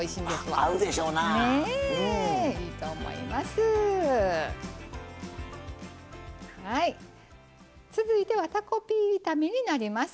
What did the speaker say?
はい続いてはたこピー炒めになります。